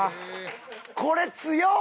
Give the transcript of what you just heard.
これ強っ！